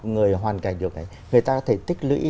người ta có thể tích lũy